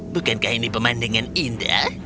bukankah ini pemandangan indah